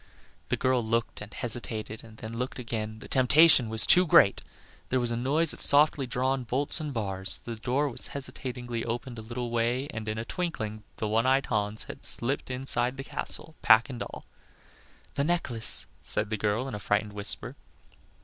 The girl looked and hesitated, and then looked again; the temptation was too great. There was a noise of softly drawn bolts and bars, the door was hesitatingly opened a little way, and, in a twinkling, the one eyed Hans had slipped inside the castle, pack and all. "The necklace," said the girl, in a frightened whisper.